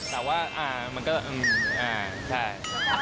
แต่ว่ามันก็อืมอ่าใช่